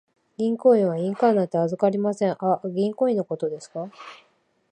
銀行員は印鑑なんて預かりません。あ、銀行印のことですか。